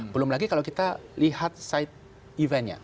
belum lagi kalau kita lihat side eventnya